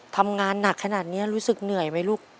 ทำงานหนักขนาดนี้รู้สึกเหนื่อยไหมลูก